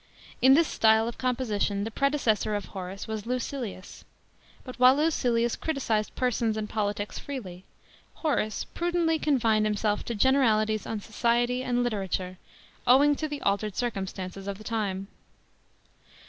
In this style of composition the predecessor of Horace was Lucilius; [ but while LucLLus cri'icised persons and politics freely, Horace prudently confined himself to generalities on society and liierature, owing to the altered circum stances of the time.